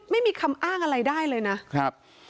ไม่มีคำอ้างอะไรได้เลยนะครับ